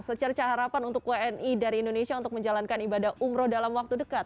secerca harapan untuk wni dari indonesia untuk menjalankan ibadah umroh dalam waktu dekat